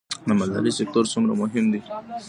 د مالدارۍ سکتور څومره مهم دی؟